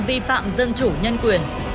vi phạm dân chủ nhân quyền